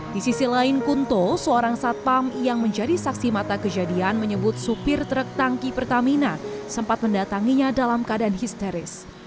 di sisi lain kunto seorang satpam yang menjadi saksi mata kejadian menyebut supir truk tangki pertamina sempat mendatanginya dalam keadaan histeris